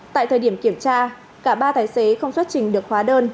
tại thời điểm kiểm tra cả ba tài xế không xuất trình được hóa đơn